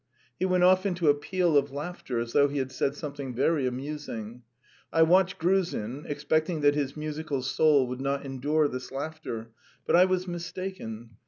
He went off into a peal of laughter as though he had said something very amusing. I watched Gruzin, expecting that his musical soul would not endure this laughter, but I was mistaken.